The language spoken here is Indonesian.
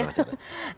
belum ada wajaran